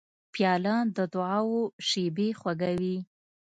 پیاله د دعاو شېبې خوږوي.